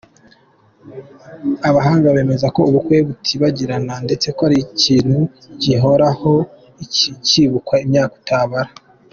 Abahanga bemeza ko ubukwe butibagirana ndetse ko ari ikintu gihora kibukwa imyaka utabara.